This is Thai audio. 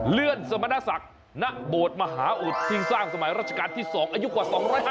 เลื่อนสมณศักดิ์ณโบสถ์มหาอุดที่สร้างสมัยราชการที่๒อายุกว่า๒๕